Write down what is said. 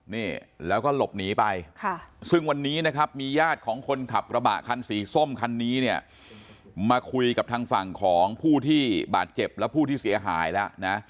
นี่แล้วก็หลบหนีไปซึ่งวันนี้นะครับมีญาติของคนขับกระบะคันสีส้มคันนี้เนี่ยมาคุยกับทางฝั่งของผู้ที่บาดเจ็บและผู้ที่เสียหายแล้วนะ